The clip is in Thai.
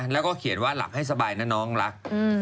แล้วก็เขียนว่าหลับให้สบายนะน้องรัก